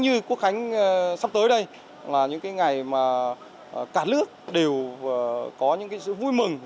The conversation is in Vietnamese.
như quốc khánh sắp tới đây là những ngày mà cả nước đều có những sự vui mừng